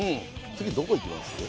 次どこ行きます？